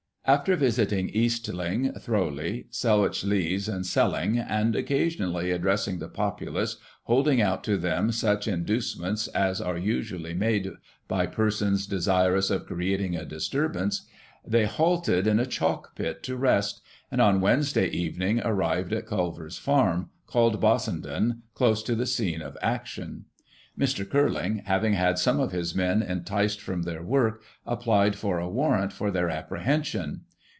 After visiting Eastling, Throwley, Selwich Lees and Selling, and occasion ally addressing the populace, holding out to them such in ducements as are usually made by persons desirous of creating a disturbance, they halted, in a chalk pit, to rest, and, on Wednesday evening, arrived at Culver's farm, called Bossen Digiti ized by Google 1838] THOM, THE FANATIC. 49 den, close to the scene of action. Mr. Curling, having had some of his men enticed from their work, applied for a warrant for their apprehension.